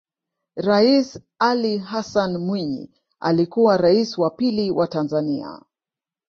Rais Ali Hassan Mwinyi alikuwa Rais wa pili wa Tanzania